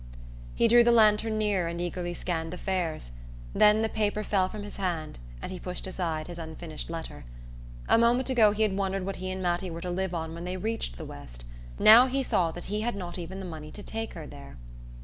He drew the lantern nearer and eagerly scanned the fares; then the paper fell from his hand and he pushed aside his unfinished letter. A moment ago he had wondered what he and Mattie were to live on when they reached the West; now he saw that he had not even the money to take her there.